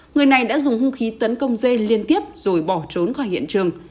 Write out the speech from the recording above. người này đã dùng hung khí tấn công dê liên tiếp rồi bỏ trốn khỏi hiện trường